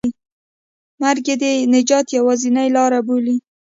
مرګ یې د نجات یوازینۍ لاره بولي.